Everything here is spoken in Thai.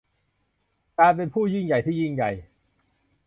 การเป็นผู้ยิ่งใหญ่ที่ยิ่งใหญ่